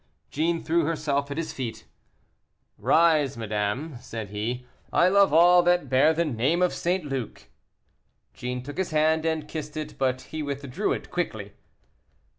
Jeanne threw herself at his feet. "Rise, madame," said he, "I love all that bear the name of St. Luc." Jeanne took his hand and kissed it, but he withdrew it quickly.